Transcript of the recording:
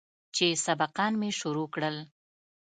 چې سبقان مې شروع کړل.